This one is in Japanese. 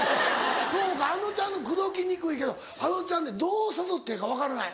そうかあのちゃん口説きにくいけどあのちゃんってどう誘ってええか分からない。